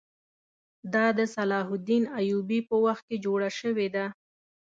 دا د صلاح الدین ایوبي په وخت کې جوړه شوې ده.